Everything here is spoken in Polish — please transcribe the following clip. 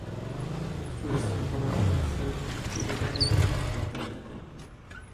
Niektóre z proponowanych środków wybiegają jednak zbyt daleko